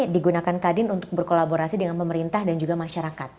digunakan kadin untuk berkolaborasi dengan pemerintah dan juga masyarakat